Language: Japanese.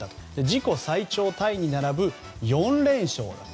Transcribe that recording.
自己最長タイに並ぶ４連勝。